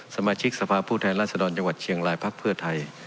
สมาชิกสภาพผู้แทนรัศดรจังหวัดเชียงรายพักเพื่อไทย